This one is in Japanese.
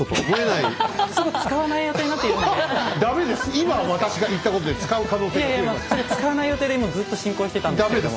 いやいや使わない予定でもうずっと進行してたんですけども。